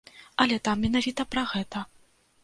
Але там менавіта пра гэта.